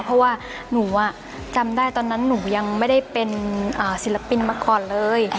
เพราะว่าหนูจำได้ตอนนั้นหนูยังไม่ได้เป็นศิลปินมาก่อนเลย